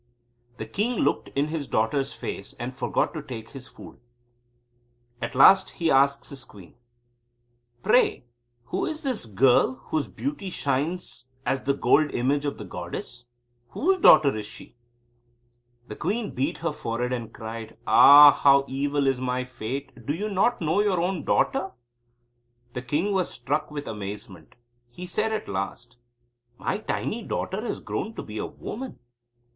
The king looked in his daughter's face, and forgot to take his food. At last he asked his queen: "Pray, who is this girl whose beauty shines as the gold image of the goddess? Whose daughter is she?" The queen beat her forehead, and cried: "Ah, how evil is my fate! Do you not know your own daughter?" The king was struck with amazement. He said at last; "My tiny daughter has grown to be a woman."